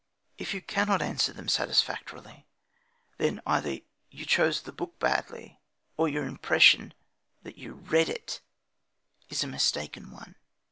If you cannot answer them satisfactorily, then either you chose the book badly or your impression that you read it is a mistaken one.